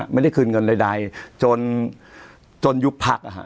ไม่ได้คืนเงินใดจนยุบภาค